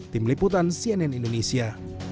tim liputan cnn indonesia